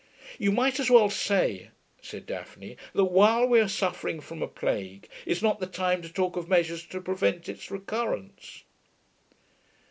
'You might as well say,' said Daphne 'that while we are suffering from a plague is not the time to talk of measures to prevent its recurrence.'